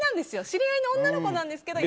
知り合いの女の子なんですけど。